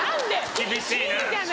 厳しいな。